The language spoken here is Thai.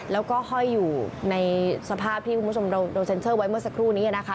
แล้วก็ห้อยอยู่ในสภาพที่คุณผู้ชมเราเซ็นเซอร์ไว้เมื่อสักครู่นี้นะคะ